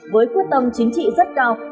với quyết tâm chính trị rất cao